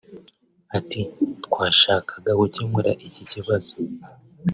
Ati “Twashakaga gukemura iki kibazo